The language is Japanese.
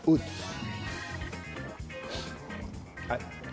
はい。